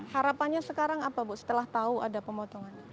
harapannya sekarang apa bu setelah tahu ada pemotongan